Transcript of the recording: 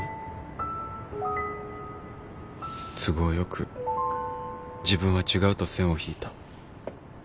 都合良く自分は違うと線を引いた